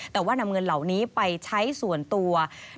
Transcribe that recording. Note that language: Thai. แต่ว่านำเงินเหล่านี้ไปใช้ส่วนตัว